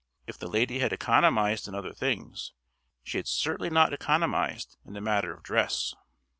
If the lady had economized in other things, she had certainly not economized in the matter of dress.